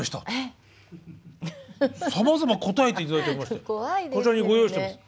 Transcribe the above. さまざま答えて頂いておりましてこちらにご用意してます。